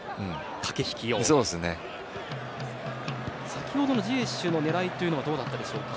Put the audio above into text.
先ほどのジエシュの狙いはどうだったでしょうか。